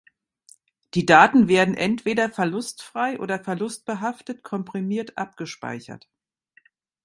Die Daten werden entweder verlustfrei oder verlustbehaftet komprimiert abgespeichert.